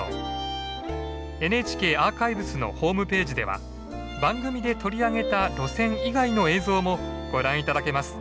ＮＨＫアーカイブスのホームページでは番組で取り上げた路線以外の映像もご覧頂けます。